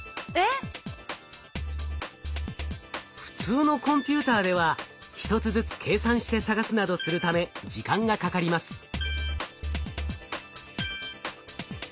普通のコンピューターでは１つずつ計算して探すなどするため時間がかかります。